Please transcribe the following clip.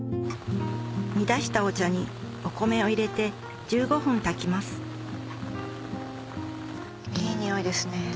煮出したお茶にお米を入れて１５分炊きますいい匂いですね。